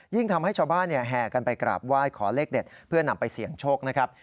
ทำให้ชาวบ้านแห่กันไปกราบไหว้ขอเลขเด็ดเพื่อนำไปเสี่ยงโชคนะครับ